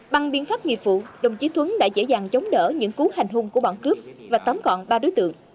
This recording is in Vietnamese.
bằng biện pháp nghiệp vụ đồng chí thuấn đã dễ dàng chống đỡ những cuốn hành hung của bọn cướp và tóm gọn ba đối tượng